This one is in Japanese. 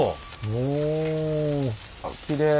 おきれい。